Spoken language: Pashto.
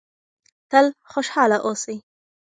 تل خوشحاله اوسئ.